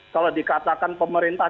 kalau dikatakan pemerintah